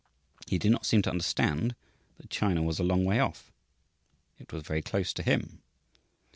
He did not seem to understand that China was a long way off; it was very close to him.